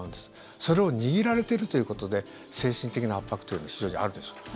それを握られてるということで精神的な圧迫というのは非常にあるでしょう。